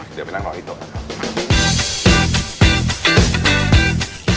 เดี๋ยวไปนั่งรอที่โต๊ะนะครับ